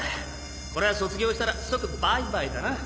こりゃ卒業したら即バイバイだな。